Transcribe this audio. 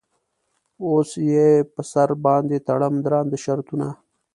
اوس یې په سر باندې تړم درانده شرطونه.